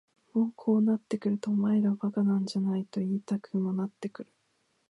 もうこうなってくるとお前ら馬鹿なんじゃないと言いたくもなってくる。